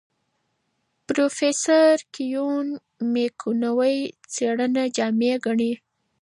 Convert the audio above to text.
پروفیسر کیون میکونوی څېړنه جامع ګڼي.